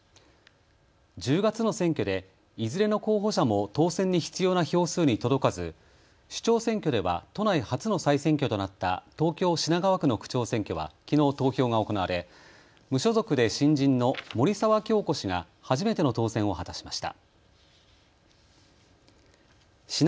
１０月の選挙でいずれの候補者も当選に必要な票数に届かず首長選挙では都内初の再選挙となった東京品川区の区長選挙はきのう投票が行われ無所属で新人の森澤恭子氏が初めての当選を果たしました。